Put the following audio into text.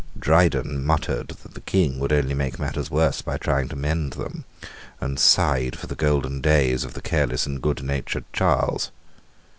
Dryden muttered that the King would only make matters worse by trying to mend them, and sighed for the golden days of the careless and goodnatured Charles.